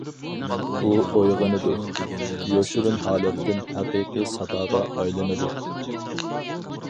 ئۇ ئويغىنىدۇ، يوشۇرۇن ھالەتتىن ھەقىقىي ساداغا ئايلىنىدۇ.